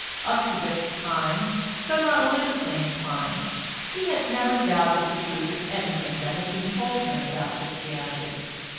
Up to this time, though not religiously inclined, he had never doubted the truth of anything that had been told him about Christianity.